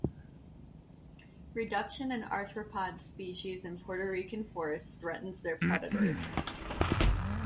Reduction in arthropod species in Puerto Rican forests threatens their predators.